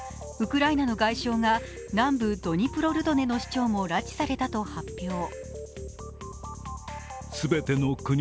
ウクライナの外相が南部ドニプロルドネの市長も拉致されたと発表。